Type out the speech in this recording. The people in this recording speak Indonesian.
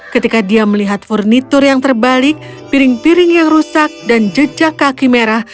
ketika dia melihat furnitur yang terbalik piring piring yang rusak dan jejak kaki merah